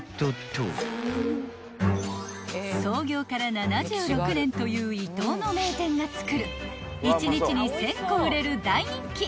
［創業から７６年という伊東の名店が作る１日に１，０００個売れる大人気］